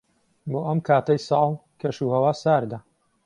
بۆ ئەم کاتەی ساڵ، کەشوهەوا ساردە.